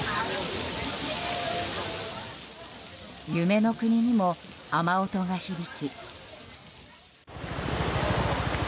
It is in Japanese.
夢の国にも雨音が響き。